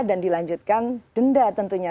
dan dilanjutkan denda tentunya